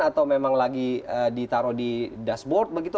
atau memang lagi ditaruh di dashboard begitu